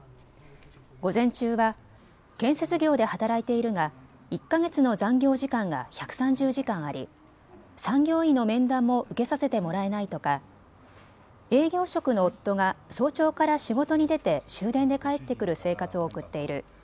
午前中は建設業で働いているが１か月の残業時間が１３０時間あり、産業医の面談も受けさせてもらえないとか営業職の夫が早朝から仕事に出て終電で帰ってくる生活を送っている。